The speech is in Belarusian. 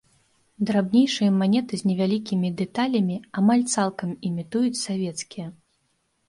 Драбнейшыя манеты з невялікімі дэталямі амаль цалкам імітуюць савецкія.